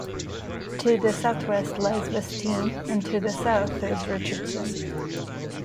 To the southwest lies Vestine, and to the south is Richardson.